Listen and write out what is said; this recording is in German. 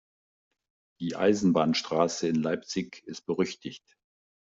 Die Eisenbahnstraße in Leipzig ist berüchtigt.